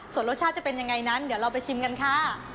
ส่วนรสชาติจะเป็นยังไงนั้นเดี๋ยวเราไปชิมกันค่ะ